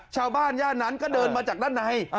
ชาวบ้านย่านนั้นก็เดินมาจากด้านใน